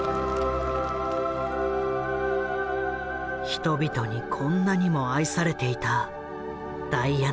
人々にこんなにも愛されていたダイアナ。